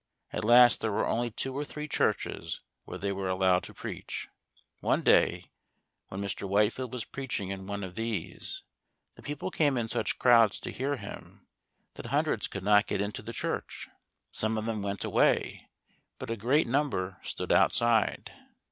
At last there were only two or three churches where they were allowed to preach. One day when Mr. Whitefield was preaching in one of these, the people came in such crowds to hear him, that hundreds could not get into the church. Some of them went away, but a great number stood outside.